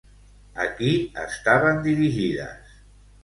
A qui estaven dirigides?